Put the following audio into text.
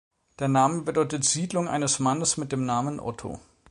Der Name bedeutet „Siedlung eines Mannes mit dem Namen Otto“.